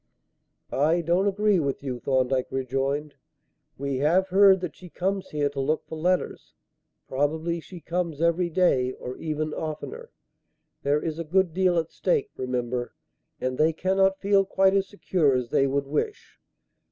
"I don't agree with you," Thorndyke rejoined. "We have heard that she comes here to look for letters. Probably she comes every day, or even oftener. There is a good deal at stake, remember, and they cannot feel quite as secure as they would wish.